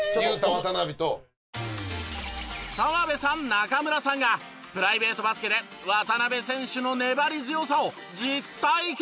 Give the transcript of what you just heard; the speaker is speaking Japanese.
澤部さん中村さんがプライベートバスケで渡邊選手の粘り強さを実体験？